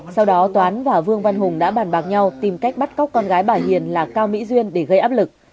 sau đó toán và vương văn hùng đã bàn bạc nhau tìm cách bắt cóc con gái bà hiền là cao mỹ duyên để gây áp lực